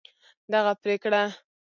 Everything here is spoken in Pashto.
دغه پرېکړه